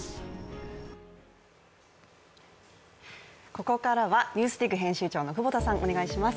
ここからは、「ＮＥＷＳＤＩＧ」編集長の久保田さん、お願いします。